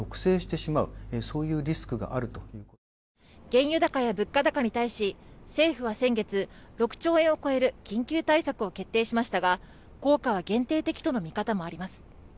原油高や物価高に対し政府は先月６兆円を超える緊急対策を決定しましたが効果は限定的との見方もあります。